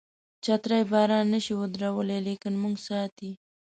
چترۍ باران نشي ودرولای لیکن موږ ساتي.